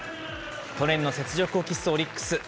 去年の雪辱を期すオリックス。